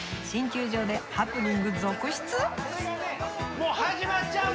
もう始まっちゃう！